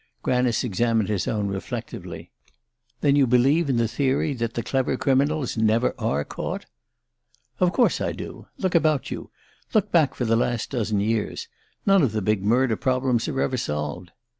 Granice examined his own reflectively. "Then you believe in the theory that the clever criminals never are caught?" "Of course I do. Look about you look back for the last dozen years none of the big murder problems are ever solved."